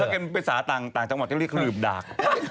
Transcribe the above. ถ้าเกิดไปสระต่างต่างจังหวัดก็เรียกหลืบดาก